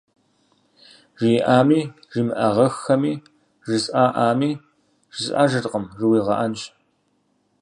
Жиӏами жимыӏагъэххэми, жысӏаӏами, жысӏэжыркъым жыуигъэӏэнщ.